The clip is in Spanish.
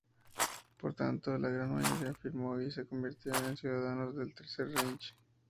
Por tanto, la gran mayoría firmó y se convirtieron en ciudadanos del Tercer Reich.